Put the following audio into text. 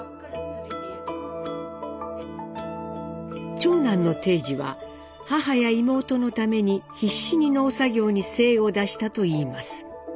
長男の貞次は母や妹のために必死に農作業に精を出したといいます。